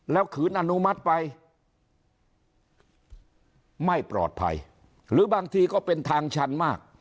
ขืนอนุมัติไปไม่ปลอดภัยหรือบางทีก็เป็นทางชันมาก